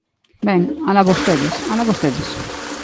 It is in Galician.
Ben, ¡alá vostedes!, ¡alá vostedes!